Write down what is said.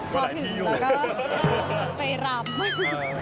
พอถึงแล้วก็ไปรำ